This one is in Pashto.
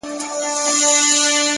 مـاتــه يــاديـــده اشـــــنـــا”